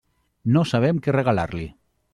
No sabem què regalar-li.